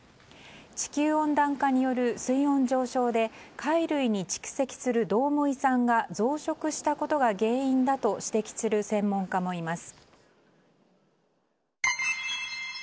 地球温暖化による水温上昇で貝類に蓄積するドウモイ酸が増殖したことが原因だと指摘する専門家もいます。